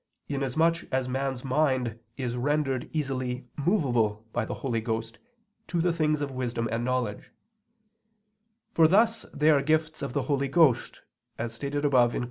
inasmuch as man's mind is rendered easily movable by the Holy Ghost to the things of wisdom and knowledge; for thus they are gifts of the Holy Ghost, as stated above (Q.